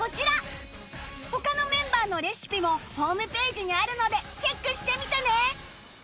他のメンバーのレシピもホームページにあるのでチェックしてみてね